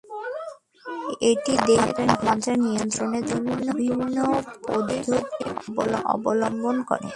এটি দেহের তাপমাত্রা নিয়ন্ত্রণের জন্যে বিভিন্ন পদ্ধতি অবলম্বন করে।